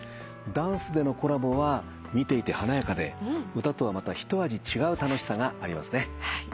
ダンスでのコラボは見ていて華やかで歌とはまたひと味違う楽しさがありますね。